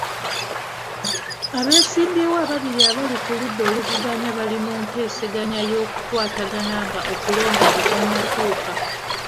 Abeesimbyewo ababiri abali ku ludda oluvuganya bali mu nteesaganya y'okukwatagana nga okulonda tekunatuuka.